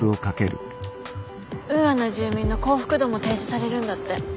ウーアの住民の幸福度も提示されるんだって。